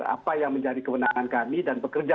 apa yang menjadi kewenangan kami dan bekerja